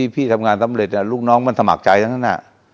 พี่ทำงานสำเร็จแล้วลูกน้องมันถมากใจจากนั้นน่า